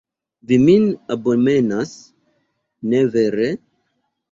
Vi min abomenas, ne vere?